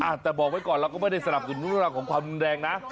อ่ะแต่บอกไว้ก่อนเราก็ไม่ได้สนับสนุนรักของความแรงนะ